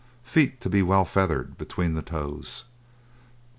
Feet to be well feathered between the toes.